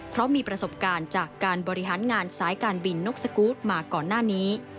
เพราะมีประสบการณ์จากการบริหารงานสายการบินนกสกูธมาก่อนหน้านี้